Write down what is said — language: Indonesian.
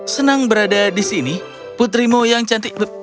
senang berada di sini putrimu yang cantik